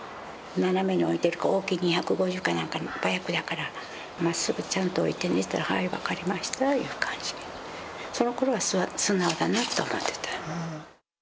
斜めに置いて、大きい２５０かなんかのバイクだから、まっすぐちゃんと置いてねって言ったら、はい、分かりましたって言って、そのころは素直だなと思ってた。